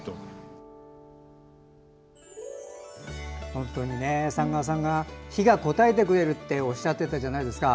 本当に寒川さんが火が応えてくれるっておっしゃってたじゃないですか。